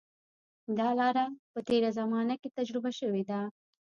دا لاره په تېره زمانه کې تجربه شوې ده.